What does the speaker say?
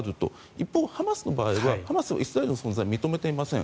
一方、ハマスの場合はハマスはイスラエルの存在を認めていません。